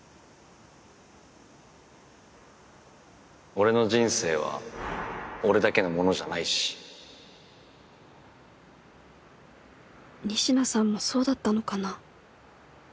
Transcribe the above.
俺の人生は俺だけのものじゃ仁科さんもそうだったのかな？